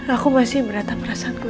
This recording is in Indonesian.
aku masih merata perasaanku